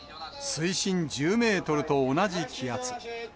水深１０メートルと同じ気圧。